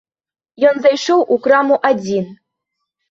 Ён зайшоў у краму адзін.